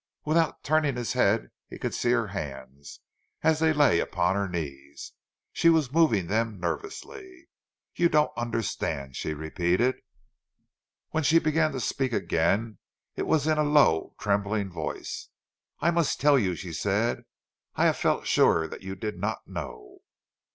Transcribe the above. Without turning his head he could see her hands, as they lay upon her knees. She was moving them nervously. "You don't understand," she repeated. When she began to' speak again, it was in a low, trembling voice. "I must tell you," she said; "I have felt sure that you did not know."